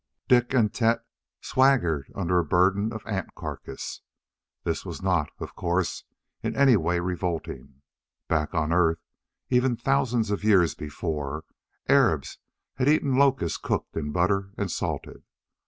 Dik and Tet swaggered under a burden of ant carcass. This was not, of course, in any way revolting. Back on Earth, even thousands of years before, Arabs had eaten locusts cooked in butter and salted.